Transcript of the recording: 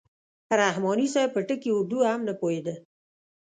رحماني صاحب په ټکي اردو هم نه پوهېده.